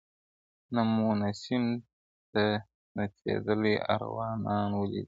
نه مو نسیم ته نڅېدلی ارغوان ولیدی -